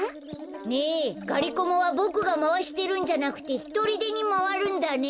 ねえがりコマはボクがまわしてるんじゃなくてひとりでにまわるんだね。